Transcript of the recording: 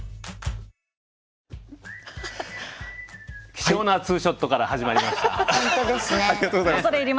貴重なツーショットから始まりました。